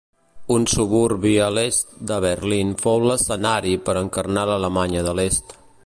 Un suburbi a l'est de Berlín fou l’escenari per encarnar l’Alemanya de l'Est.